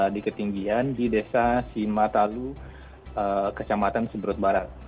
di ketinggian di desa simatalu kecamatan seberut barat